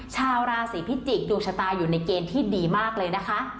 ชาวราศีพิจิกษ์ดวงชะตาอยู่ในเกณฑ์ที่ดีมากเลยนะคะ